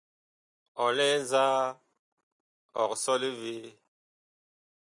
Ɔ lɛ nzaa, ɔg sɔle vee ?